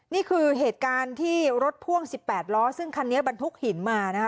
นี่คือเหตุการณ์ที่รถพ่วง๑๘ล้อซึ่งคันนี้บรรทุกหินมานะคะ